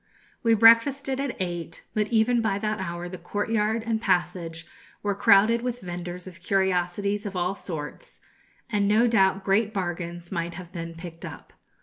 We breakfasted at eight; but even by that hour the courtyard and passage were crowded with vendors of curiosities of all sorts, and no doubt great bargains might have been picked up.